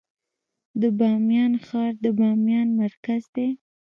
د بامیان ښار د بامیان مرکز دی